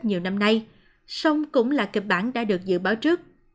nhiều năm nay song cũng là kịch bản đã được dự báo trước